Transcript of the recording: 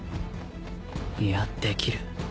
いやできる